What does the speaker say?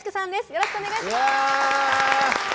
よろしくお願いします。